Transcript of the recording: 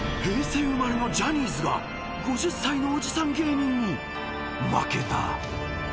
［平成生まれのジャニーズが５０歳のおじさん芸人に負けた］